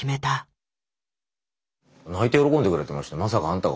泣いて喜んでくれてました。